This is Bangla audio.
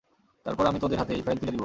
তারপর আমি তোদের হাতে এই ফাইল তুলে দিবো।